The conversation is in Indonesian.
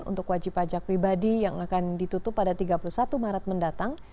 untuk wajib pajak pribadi yang akan ditutup pada tiga puluh satu maret mendatang